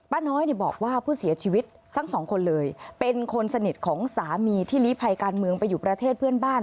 น้อยบอกว่าผู้เสียชีวิตทั้งสองคนเลยเป็นคนสนิทของสามีที่ลีภัยการเมืองไปอยู่ประเทศเพื่อนบ้าน